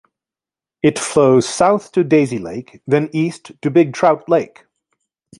It flows south to Daisy Lake then east to Big Trout Lake.